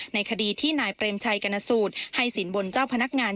ในคดีที่นายเปรมชัยกรณสูตรให้สินบนเจ้าพนักงาน